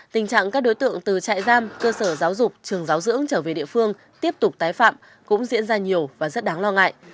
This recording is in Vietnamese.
tình trạng các đối tượng từ trại giam cơ sở giáo dục trường giáo dưỡng trở về địa phương tiếp tục tái phạm cũng diễn ra nhiều và rất đáng lo ngại